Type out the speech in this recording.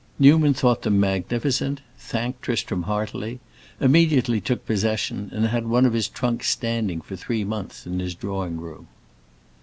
Newman thought them magnificent, thanked Tristram heartily, immediately took possession, and had one of his trunks standing for three months in his drawing room.